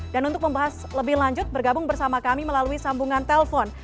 dan untuk membahas lebih lanjut bergabung bersama kami melalui sambungan telpon